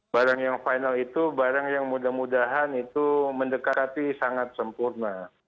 barang yang final itu barang yang mudah mudahan itu mendekati sangat sempurna